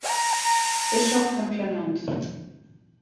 Bischof von Clermont.